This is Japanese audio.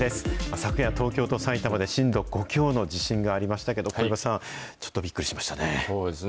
昨夜、東京と埼玉で震度５強の地震がありましたけど、小籔さん、ちょっとびっくりしましたよね。